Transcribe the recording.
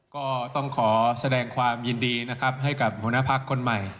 ก็ต้องขอแสดงความยินดีให้กับบรุณาภักษ์คนใหม่